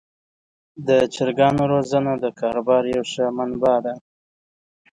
د چرګانو روزنه د کاروبار یوه ښه منبع ده.